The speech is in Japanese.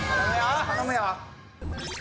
頼むよ。